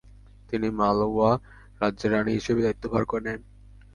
তিনি মালওয়া রাজ্যের রানী হিসাবে দায়িত্বভার নেন।